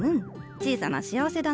小さな幸せだ！